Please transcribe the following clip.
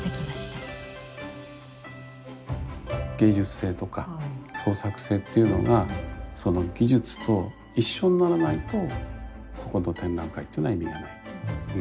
芸術性とか創作性っていうのがその技術と一緒にならないとここの展覧会というのは意味がない。